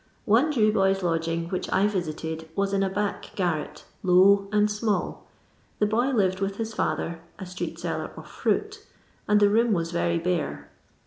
One Jew boy's lod^^ing which I visited was in a back garret, low and small. The boy lived with his father (a streot s»'Ilcr of fruit), and the room wai very bare.